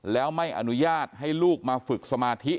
แล้วไม่อนุญาตให้ลูกมาฝึกสมาธิ